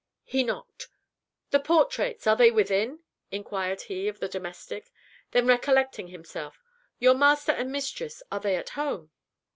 He knocked. "The portraits! Are they within?" inquired he, of the domestic; then recollecting himself "your master and mistress! Are they at home?"